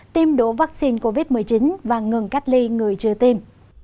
tiêm đủ vaccine covid một mươi chín và ngừng cách ly người chưa tiêm